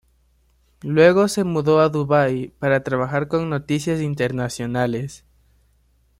Luego se mudó a Dubái para trabajar con "Noticias Internacionales".